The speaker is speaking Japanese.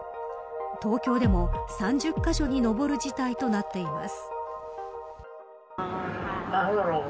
東京でも３０カ所に上る事態となっています。